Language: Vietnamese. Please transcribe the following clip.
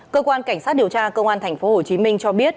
cơ quan cảnh sát điều tra công an tp hcm cho biết